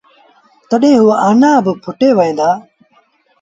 تڏهيݩ او آنآ با ڦُٽي وهيݩ دآ۔